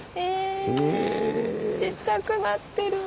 えぇちっちゃくなってる。